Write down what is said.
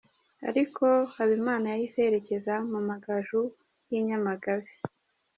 Ariko Habimana yahise yerekeza mu Amagaju y’i Nyamagabe.